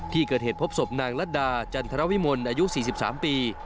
ที่เกิดเหตุพบศพนางลัดดาจันทรวิมลอายุ๔๓ปี